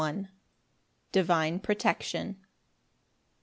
M. Divine protection.